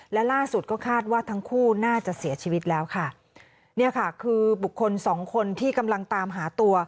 และล่าสุดก็คาดว่าทั้งคู่น่าจะเสียชีวิตแล้วค่ะเนี่ยค่ะคือบุคคลสองคนที่กำลังตามหาตัว